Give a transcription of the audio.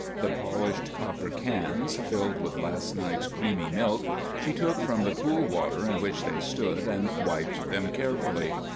The polished copper cans, filled with last night's creamy milk, she took from the cool water in which they stood and wiped them carefully.